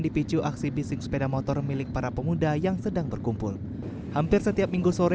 dipicu aksi bising sepeda motor milik para pemuda yang sedang berkumpul hampir setiap minggu sore